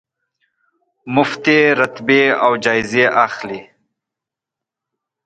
مفتې رتبې او جایزې اخلي.